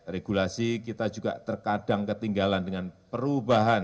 regulasi kita juga terkadang ketinggalan dengan perubahan